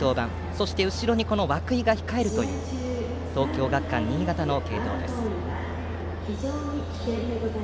そして後ろに涌井が控えるという東京学館新潟の継投です。